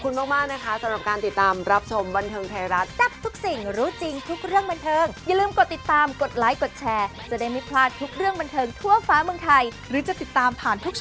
๗๐แล้วอ่ะโหยังแบบว่าแข็งแรงมาก